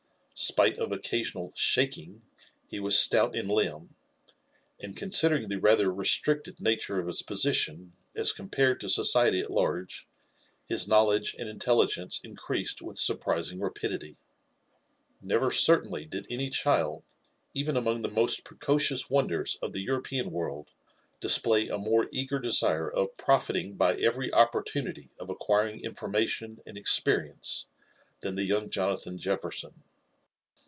Spite of occasional shaking/' M Wa0 stout in limb ; and considering the rather restricted nature of fiif position aa compared to society at largef, hid knowledge and intelligencd JAct^aied with au#ptis(ng rapidity. Neter eertafnly di^ any child, eten among the most precocio\fx# wonders of the European world, display a more eager desire of pro^ IfCin^ by tyist^ 6ppor(unity of acquiring information and experience flian the yotfng Jonathan Jefferton.